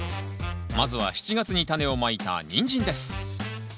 まずは７月にタネをまいたニンジンです。